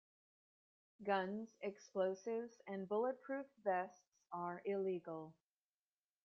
Guns, explosives and bulletproof vests are illegal.